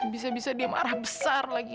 bisa bisa dia marah besar lagi